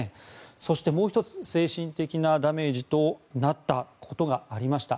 そしてもう１つ精神的なダメージとなったことがありました。